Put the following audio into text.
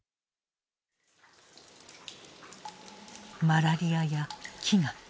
マラリアや飢餓。